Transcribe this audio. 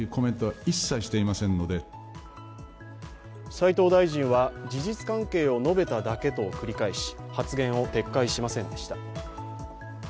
斎藤大臣は事実関係を述べただけと繰り返し、発言を撤回しませんでした。